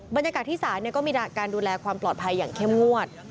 บรรยากาศที่ศาลก็มีการดูแลความปลอดภัยอย่างเข้มงวด